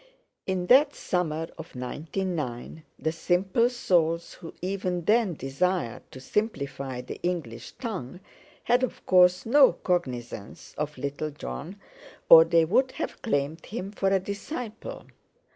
In that Summer of 1909 the simple souls who even then desired to simplify the English tongue, had, of course, no cognizance of little Jon, or they would have claimed him for a disciple.